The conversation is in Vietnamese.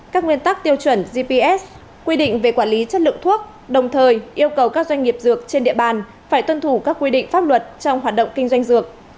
các nguyên tắc tiêu chuẩn gps quy định về quản lý chất lượng thuốc đồng thời yêu cầu các doanh nghiệp dược trên địa bàn phải tuân thủ các quy định pháp luật trong hoạt động kinh doanh dược